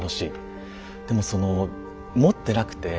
でもその持ってなくて。